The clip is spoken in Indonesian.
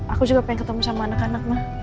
aku juga pengen ketemu sama anak anak mah